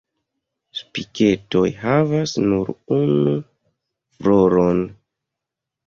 Spiketoj havas nur unu floron.